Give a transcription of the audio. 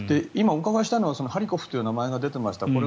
今、お伺いしたいのはハリコフという名前が出ていました